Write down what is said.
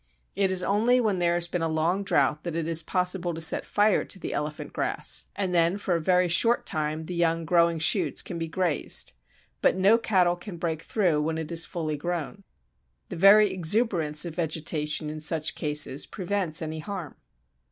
It is only when there has been a long drought that it is possible to set fire to the Elephant Grass, and then for a very short time the young growing shoots can be grazed. But no cattle can break through when it is fully grown. The very exuberance of vegetation in such cases prevents any harm.